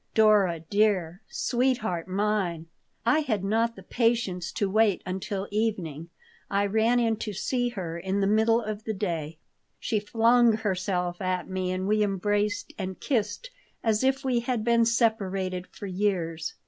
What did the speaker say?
Dora dear! Sweetheart mine!" I had not the patience to wait until evening. I ran in to see her in the middle of the day She flung herself at me and we embraced and kissed as if we had been separated for years.